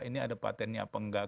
ini ada patennya apa enggak